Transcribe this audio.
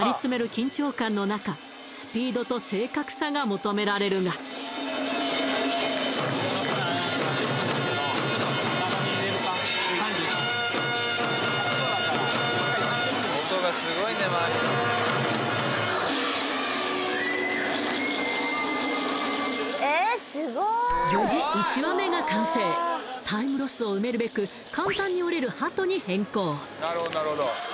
緊張感の中スピードと正確さが求められるが無事タイムロスを埋めるべく簡単に折れる鳩に変更